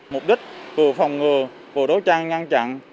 mục đích vừa phòng ngừa vừa đấu tranh ngăn chặn